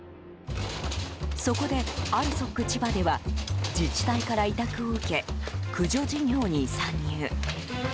そこで、ＡＬＳＯＫ千葉では自治体から委託を受け駆除事業に参入。